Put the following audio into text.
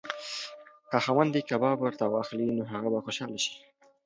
که خاوند یې کباب ورته واخلي نو هغه به خوشحاله شي.